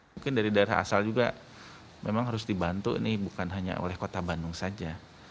mungkin dari daerah asal juga memang harus dibantu ini bukan hanya oleh kota bandung saja